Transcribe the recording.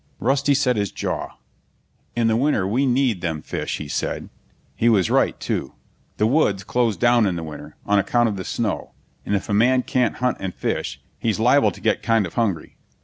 Rusty set his jaw. "In the winter we need them fish," he said. He was right, too. The woods close down in the winter, on account of the snow, and if a man can't hunt and fish he's liable to get kind of hungry.